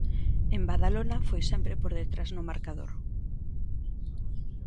En Badalona foi sempre por detrás no marcador.